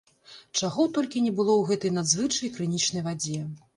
Чаго толькі не было ў гэтай надзвычай крынічнай вадзе.